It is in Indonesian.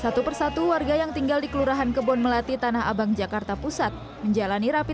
satu persatu warga yang tinggal di kelurahan kebon melati tanah abang jakarta pusat menjalani rapi